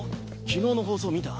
昨日の放送見た？